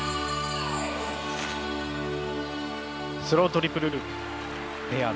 スロートリプルループ。